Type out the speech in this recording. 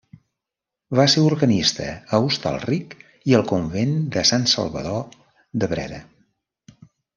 Va ser organista a Hostalric i al convent de Sant Salvador de Breda.